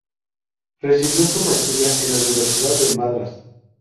Recibió su maestría en la Universidad de Madras.